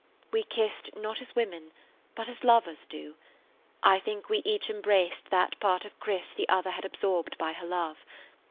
We kissed not as women, but as lovers do; I think we each embraced that part of Chris the other had absorbed by her love.